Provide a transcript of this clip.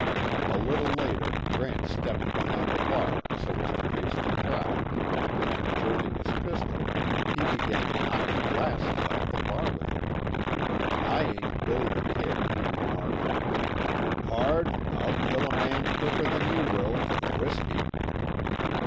A little later Grant stepped behind the bar, so as to face the crowd, and jerking his pistol, he began knocking glasses off the bar with it. Eyeing "Billy the Kid," he remarked: "Pard, I'll kill a man quicker than you will, for the whiskey."